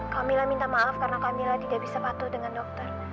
kak mila minta maaf karena kak mila tidak bisa patuh dengan dokter